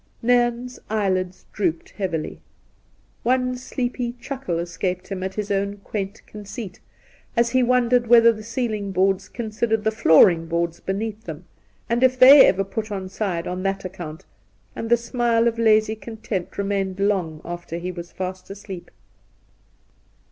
Nairn's eyelids drooped heavily. One sleepy chuckle escaped him at his own quaint conceit, as he wondered whether the ceiling boards considered the flooring boards beneath them, and if they ever put on side on that account ; and the smile of lazy content remained long after he was fast asleep.